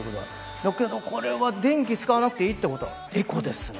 だけどこれは電気使わなくていいってことは、エコですね。